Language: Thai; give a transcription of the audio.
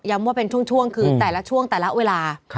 ว่าเป็นช่วงคือแต่ละช่วงแต่ละเวลา